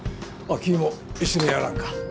君も一緒にやらんか？